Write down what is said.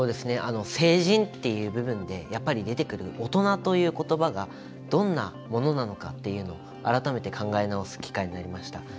成人っていう部分でやっぱり出てくる「大人」ということばがどんなものなのかっていうのを改めて考え直す機会になりました。